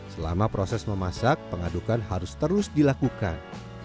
selama proses memasak pengadukan harus terus dilakukan